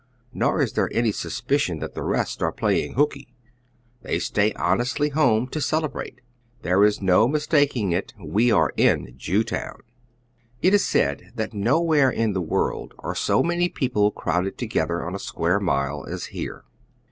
Kor is there any suspi cion that the rest are playing hookey, '^ley stay honestly oy Google JEWTOWN. 105 home to celebrate. There is no mistaking it : we are in Jewtown. It is said that nowhere in the world are so many peo ple crowded together on a square mile as here.